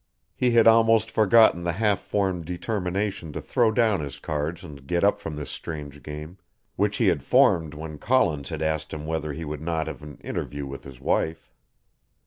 He had almost forgotten the half formed determination to throw down his cards and get up from this strange game, which he had formed when Collins had asked him whether he would not have an interview with his wife.